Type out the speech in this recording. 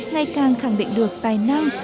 ngày càng khẳng định được tài năng